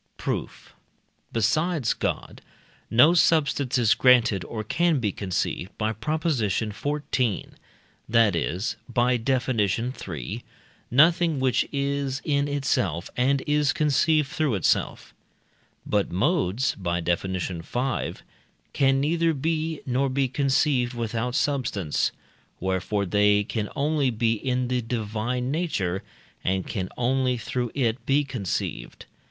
Proof. Besides God, no substance is granted or can be conceived (by Prop. xiv.), that is (by Def. iii.) nothing which is in itself and is conceived through itself. But modes (by Def. v.) can neither be, nor be conceived without substance; wherefore they can only be in the divine nature, and can only through it be conceived.